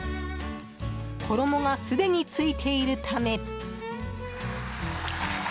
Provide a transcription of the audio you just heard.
衣が、すでについているため。